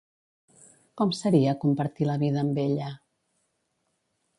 Com seria compartir la vida amb ella?